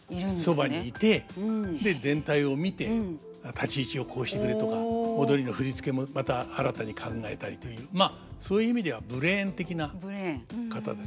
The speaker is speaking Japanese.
そばにいて全体を見て立ち位置をこうしてくれとか踊りの振り付けもまた新たに考えたりというまあそういう意味ではブレーン的な方ですね。